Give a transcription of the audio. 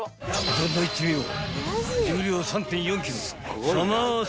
［どんどんいってみよう］